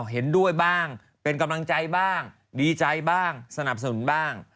เห็นด้วยบ้างเป็นกำลังใจบ้างดีใจบ้างสนับสนุนบ้าง